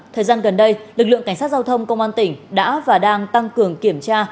thời gian gần đây lực lượng cảnh sát giao thông công an tỉnh đã và đang tăng cường kiểm tra